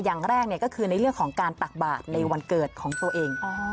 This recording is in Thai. อย่างแรกก็คือในเรื่องของการตักบาทในวันเกิดของตัวเอง